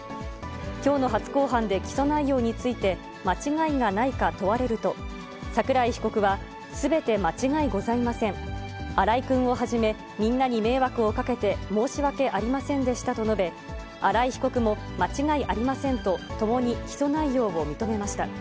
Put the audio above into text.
きょうの初公判で起訴内容について、間違いがないか問われると、桜井被告は、すべて間違いございません、新井君をはじめ、みんなに迷惑をかけて申し訳ありませんでしたと述べ、新井被告も、間違いありませんと、ともに起訴内容を認めました。